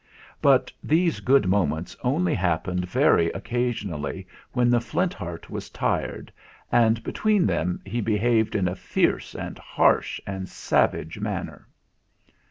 But these good moments only happened very oc casionally when the Flint Heart was tired, and, between them he behaved in a fierce and harsh and savage manner.